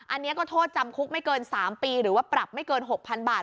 อันนี้ก็โทษจำคุกไม่เกิน๓ปีหรือว่าปรับไม่เกิน๖๐๐๐บาท